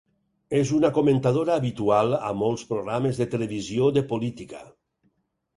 És una comentadora habitual a molts programes de televisió de política.